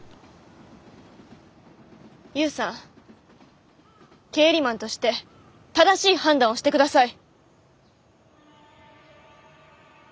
勇さん経理マンとして正しい判断をして下さい。